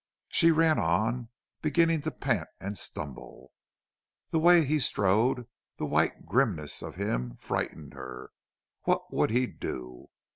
She ran on, beginning to pant and stumble. The way he strode, the white grimness of him, frightened her. What would he, do?